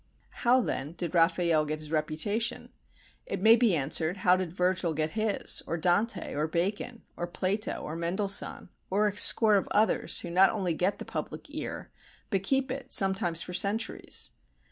How, then, did Raffaelle get his reputation? It may be answered, How did Virgil get his? or Dante? or Bacon? or Plato? or Mendelssohn? or a score of others who not only get the public ear but keep it sometimes for centuries?